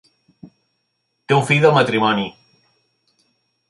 Té un fill del matrimoni.